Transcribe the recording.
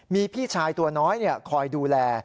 มีพี่ชายตัวน้อยคอยดูแล